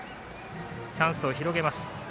チャンスを広げます。